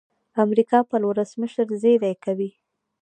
امریکا پر ولسمشر زېری کوي.